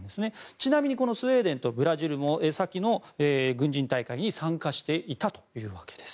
ちなみにこのスウェーデンとブラジルも先の軍人大会に参加していたというわけです。